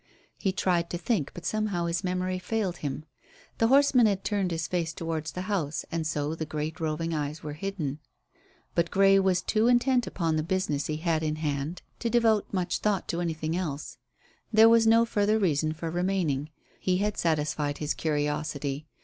He tried to think, but somehow his memory failed him. The horseman had turned his face towards the house and so the great roving eyes were hidden. But Grey was too intent upon the business he had in hand to devote much thought to anything else. There was no further reason for remaining; he had satisfied his curiosity.